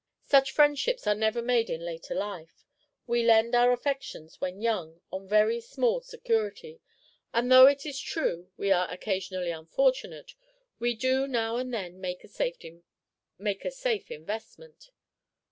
Such friendships are never made in later life. We lend our affections when young on very small security, and though it is true we are occasionally unfortunate, we do now and then make a safe investment.